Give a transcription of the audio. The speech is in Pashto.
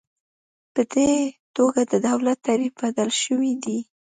په دې توګه د دولت تعریف بدل شوی دی.